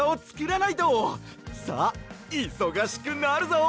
さあいそがしくなるぞ！